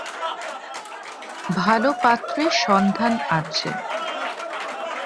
ভালো পাত্রের সন্ধান আছে।